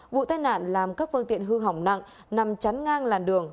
vụ tai nạn làm các phương tiện hư hỏng nặng nằm chắn ngang làn đường